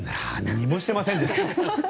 何もしてませんでした。